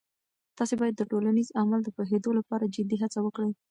تاسې باید د ټولنیز عمل د پوهیدو لپاره جدي هڅه وکړئ.